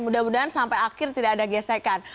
mudah mudahan sampai akhir tidak ada gesekan